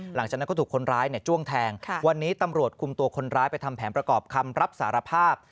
หลังจากนั้นก็ถูกคนร้ายจ้วงแทงวันนี้ตำรวจคุมตัวคนร้ายไปทำแผนประกอบคำรับสารภาพ